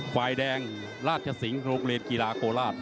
ฝ่ายแดงราชสิงห์โรงเรียนกีฬาโคราช